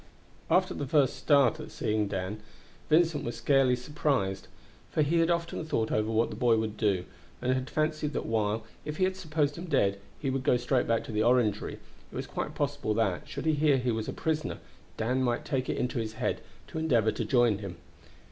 After the first start at seeing Dan, Vincent was scarcely surprised, for he had often thought over what the boy would do, and had fancied that while, if he supposed him dead, he would go straight back to the Orangery, it was quite possible that, should he hear that he was a prisoner, Dan might take it into his head to endeavor to join him.